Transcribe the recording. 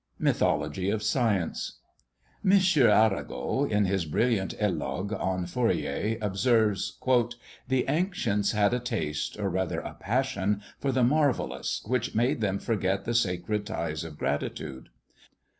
MYTHOLOGY OF SCIENCE. M. Arago, in his brilliant eloge on Fourier, observes: "The ancients had a taste, or rather a passion, for the marvellous, which made them forget the sacred ties of gratitude.